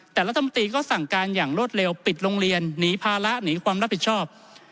แต่รัฐมนตรีก็สั่งการอย่างรวดเร็วปิดโรงเรียนหนีภาระหนีความรับผิดชอบ